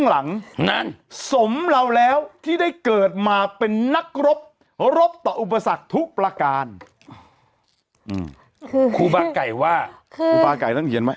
แล้วรบรบต่ออุปสรรคทุกประการครูบาไก่ทางมันต้องเยียนไหม